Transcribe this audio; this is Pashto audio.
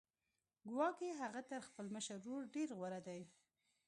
ګواکې هغه تر خپل مشر ورور ډېر غوره دی